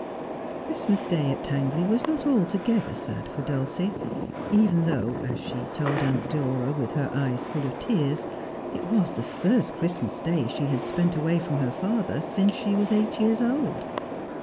Christmas Day at Tangley was not altogether sad for Dulcie, even though, as she told Aunt Dora with her eyes full of tears, it was the first Christmas Day she had spent away from her father since she was eight years old.